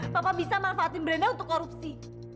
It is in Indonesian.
papa bisa manfaatin brenda untuk korupsi